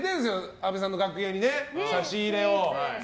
阿部さんの楽屋に差し入れを。